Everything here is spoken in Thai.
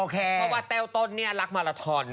เพราะว่าแต้วต้นเนี่ยรักมาลาทอน